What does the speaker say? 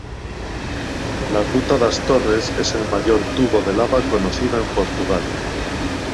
La Gruta das Torres es el mayor tubo de lava conocido en Portugal.